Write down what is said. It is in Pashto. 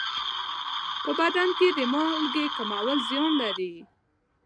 په بدن کې د مالګې کموالی زیان لري.